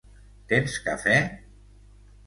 Tens cafè?